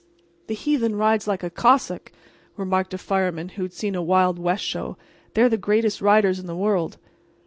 "The heathen rides like a Cossack," remarked a fireman who had seen a Wild West show—"they're the greatest riders in the world."